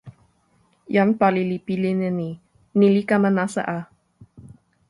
"jan pali li pilin e ni: "ni li kama nasa a!"